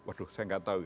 waduh saya enggak tahu